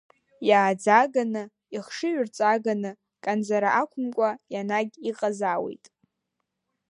Иааӡаганы, ихшыҩрҵаганы, канӡара ақәымкәа ианагь иҟазаауеит.